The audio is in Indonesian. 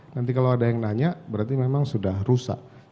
nanti kalau ada yang nanya berarti memang sudah rusak